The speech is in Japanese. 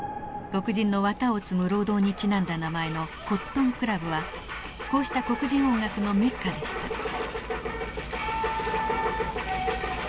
黒人の綿を摘む労働にちなんだ名前のコットン・クラブはこうした黒人音楽のメッカでした。